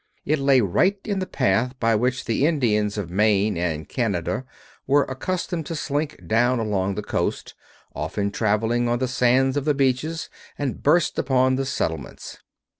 It lay right in the path by which the Indians of Maine and Canada were accustomed to slink down along the coast, often traveling on the sands of the beaches, and burst upon the settlements.